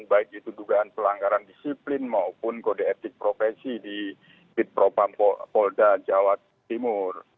baik itu dugaan pelanggaran disiplin maupun kode etik profesi di bid propampolda jawa timur